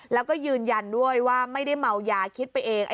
แล้วก็ยืนยันด้วยว่าไม่ได้เมายาคิดไปเอง